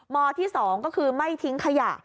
ที่๒ก็คือไม่ทิ้งขยะ